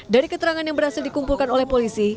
dari keterangan yang berhasil dikumpulkan oleh polisi